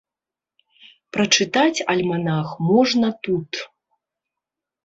Прачытаць альманах можна тут.